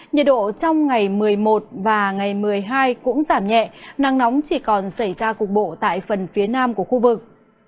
nhiệt độ trong ngày một mươi một và ngày một mươi hai cũng giảm nhẹ nắng nóng chỉ còn xảy ra cục bộ tại phần phía nam của khu vực